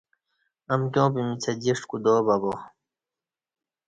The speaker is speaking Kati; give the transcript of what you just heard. امکیاں پِیمِیچ اہ جِݜٹ کودا بہ با ۔